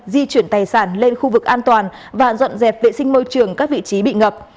di chuyển tài sản lên khu vực an toàn và dọn dẹp vệ sinh môi trường các vị trí bị ngập